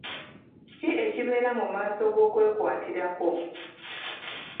Ki ekibeera mu masomo g'okwekwatirako?